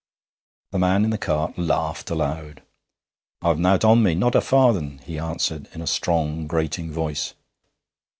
The man in the cart laughed aloud. 'I've nowt on me not a farden,' he answered, in a strong grating voice.